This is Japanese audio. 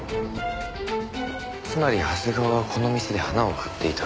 つまり長谷川はこの店で花を買っていた。